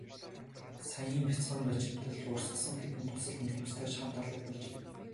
Саяын нь бяцхан бачимдал урсгасан хэдэн дусал нулимстай нь хамт алга болжээ.